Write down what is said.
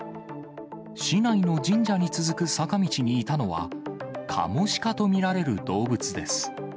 市内の神社に続く坂道にいたのは、カモシカと見られる動物です。